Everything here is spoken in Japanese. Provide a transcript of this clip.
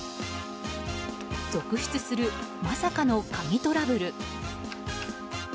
続出する、まさかの鍵トラブル。